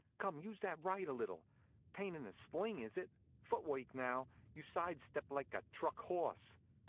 Come, use that right a little. 'Tain't in a sling, is it? Foot work, now. You side step like a truck horse.